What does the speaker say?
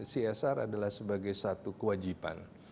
csr adalah sebagai satu kewajiban